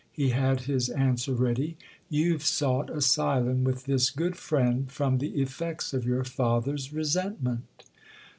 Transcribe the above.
—he had his answer ready. "You've sought asylum with this good friend from the effects of your father's resentment."